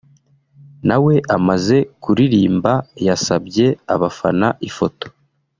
na we amaze kuririmba yasabye abafana ifoto